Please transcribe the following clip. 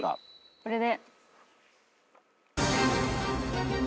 これで。